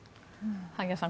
萩谷さん